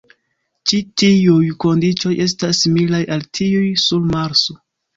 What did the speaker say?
Ĉi tiuj kondiĉoj estas similaj al tiuj sur Marso.